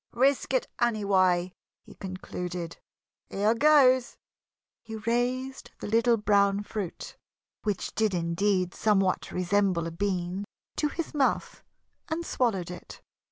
"Risk it, anyway," he concluded. "Here goes!" He raised the little brown fruit which did indeed somewhat resemble a bean to his mouth and swallowed it.